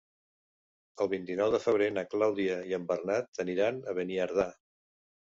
El vint-i-nou de febrer na Clàudia i en Bernat aniran a Beniardà.